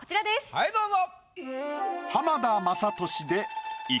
はいどうぞ。